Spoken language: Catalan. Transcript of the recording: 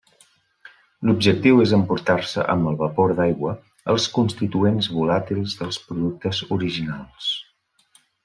L'objectiu és emportar-se amb el vapor d'aigua els constituents volàtils dels productes originals.